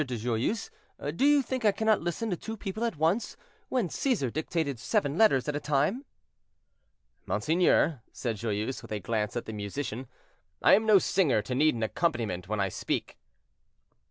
de Joyeuse. Do you think I cannot listen to two people at once, when Cæsar dictated seven letters at a time?" "Monseigneur," said Joyeuse, with a glance at the musician, "I am no singer to need an accompaniment when I speak."